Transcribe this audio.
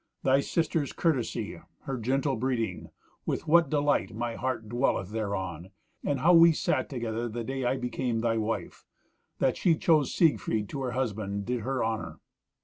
Thy sister's courtesy, her gentle breeding—with what delight my heart dwelleth thereon, and how we sat together the day I became thy wife! That she chose Siegfried to her husband did her honour."